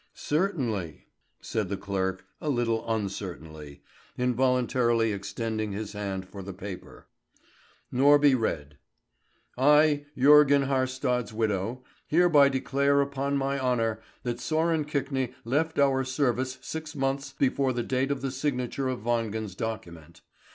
"Certainly," said the clerk, a little uncertainly, involuntarily extending his hand for the paper. Norby read: "I, Jörgen Haarstad's widow, hereby declare upon my honour that Sören Kvikne left our service six months before the date of the signature of Wangen's document.